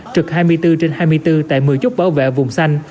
trực hai mươi bốn trên hai mươi bốn tại một mươi chút bảo vệ vùng xanh